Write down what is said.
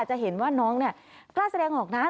จะเห็นว่าน้องกล้าแสดงออกนะ